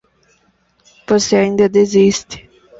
Você ainda desiste